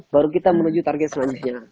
baru kita menuju target selanjutnya